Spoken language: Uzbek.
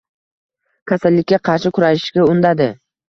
Kasallikka qarshi kurashishga undadi